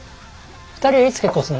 ２人はいつ結婚すんの？